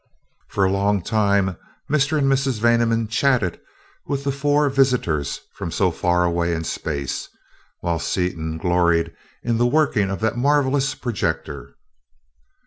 For a long time Mr. and Mrs. Vaneman chatted with the four visitors from so far away in space, while Seaton gloried in the working of that marvelous projector.